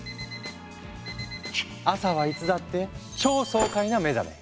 朝はいつだって超爽快な目覚め。